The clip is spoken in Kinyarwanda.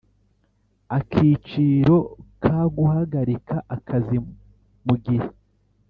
Akiciro ka guhagarika akazi mu gihe